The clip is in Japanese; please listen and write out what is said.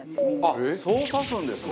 あっそう刺すんですね。